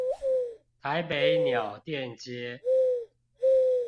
台北鳥店街